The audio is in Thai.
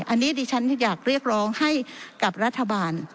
อันนี้ดิฉันอยากเรียกร้องให้กับรัฐบาล